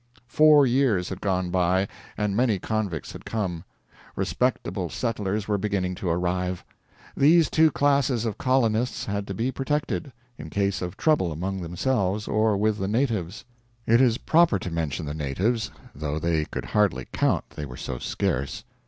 Four years had gone by, and many convicts had come. Respectable settlers were beginning to arrive. These two classes of colonists had to be protected, in case of trouble among themselves or with the natives. It is proper to mention the natives, though they could hardly count they were so scarce.